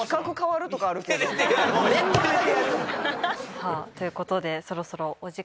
さあという事でそろそろお時間に。